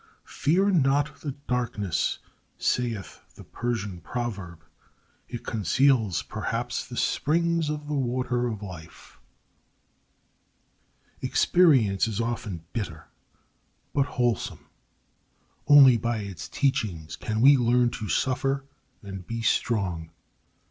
"Fear not the darkness," saith the Persian proverb; "it conceals perhaps the springs of the water of life." Experience is often bitter, but wholesome. Only by its teachings can we learn to suffer and be strong.